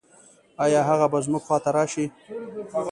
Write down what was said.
آيا هغه به زموږ خواته راشي؟